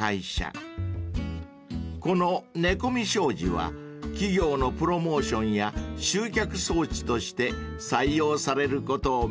［この猫見障子は企業のプロモーションや集客装置として採用されることを目指しているんだそうです］